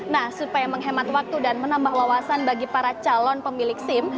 nah supaya menghemat waktu dan menambah wawasan bagi para calon pemilik sim